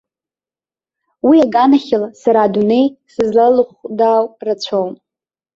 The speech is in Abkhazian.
Уи аганахьала сара адунеи сызлалыхәдаау рацәоуп.